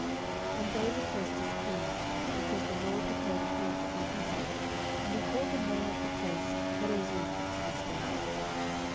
10:006:008 And David was displeased, because the LORD had made a breach upon Uzzah: and he called the name of the place Perezuzzah to this day.